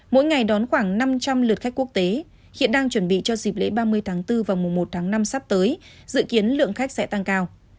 mỗi ngày đón khoảng năm trăm linh lượt khách quốc tế hiện đang chuẩn bị cho dịp lễ ba mươi tháng bốn và mùa một tháng năm sắp tới dự kiến lượng khách sẽ tăng cao